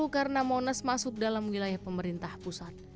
karena monas masuk dalam wilayah pemerintah pusat